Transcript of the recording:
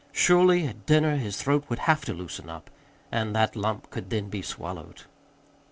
Surely, at dinner, his throat would have to loosen up, and that lump could then be swallowed.